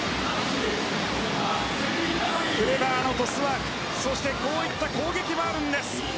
クレバーなトスワーク、そしてこういった攻撃もあるんです。